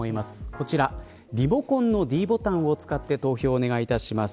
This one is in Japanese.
こちらリモコンのｄボタンを使って投票をお願いいたします。